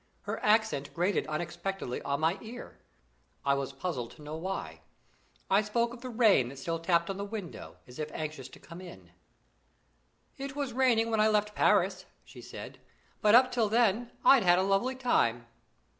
Her accent grated unexpectedly on my ear: I was puzzled to know why. I spoke of the rain that still tapped at the window, as if anxious to come in. "It was raining when I left Paris," she said; "but up till then I had a lovely time."